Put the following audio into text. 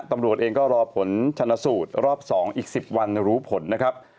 ตำรวจเองก็รอผลชนสูตรรอบ๒อีก๑๐วันรู้ผลนะครับ